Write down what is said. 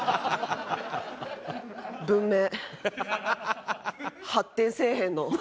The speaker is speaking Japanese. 文明発展せえへんの。